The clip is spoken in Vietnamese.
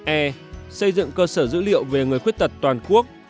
e xây dựng cơ sở dữ liệu về người khuyết tật toàn quốc